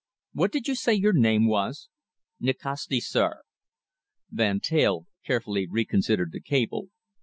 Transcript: What did you say your name was?" "Nikasti, sir." Van Teyl carefully reconsidered the cable.